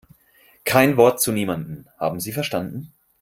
Kein Wort zu niemandem, haben Sie verstanden?